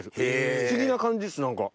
不思議な感じっす何か。